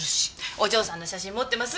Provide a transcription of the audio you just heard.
お嬢さんの写真持ってます？